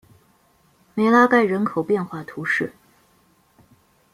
梅拉盖人口变化图示